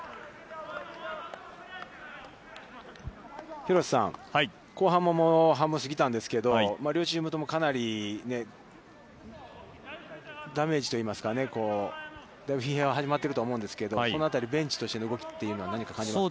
廣瀬さん、後半も半分過ぎたんですけど、両チームともかなりダメージといいますかね、大分、疲弊は始まっていると思うんですけど、その辺りベンチとしての動きは何か感じますか。